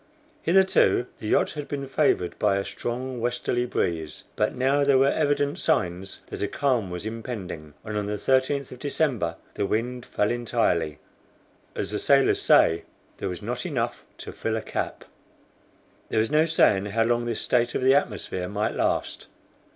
Hitherto the yacht had been favored by a strong westerly breeze, but now there were evident signs that a calm was impending, and on the 13th of December the wind fell entirely; as the sailors say, there was not enough to fill a cap. There was no saying how long this state of the atmosphere might last.